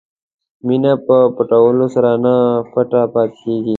مینه په پټولو سره نه پټه پاتې کېږي.